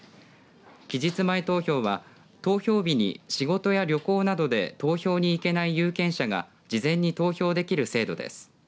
期日前投票は、投票日に仕事や旅行などで投票に行けない有権者が事前に投票できる制度です。